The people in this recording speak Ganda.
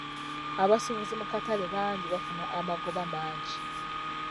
Abasubuzi mu katale bangi bafuna amagoba mangi.